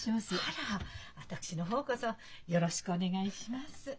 私の方こそよろしくお願いします。